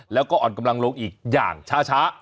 แล้วก็อ่อนกำลังลงอีกอย่างช้า